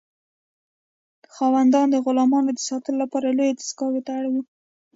خاوندان د غلامانو د ساتلو لپاره لویې دستگاه ته اړ وو.